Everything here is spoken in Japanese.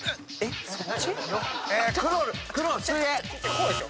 こうでしょ。